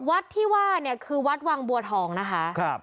วัดที่ว่าเนี่ยคือวัดวังบัวทองนะคะครับ